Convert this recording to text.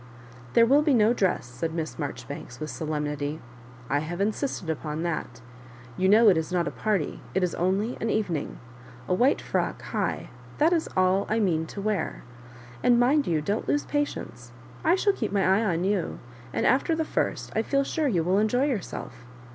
"There will be no dress, said Miss Marjori banks, with solemnity. "I have insisted upon that. You know it is not a party, it is only an Evening. A white firock, high^ihai is all I mean to wear; and mind you don't lose patience. I shall keep my eye on you ; and after the first, I feel sure you will enjoy yourself.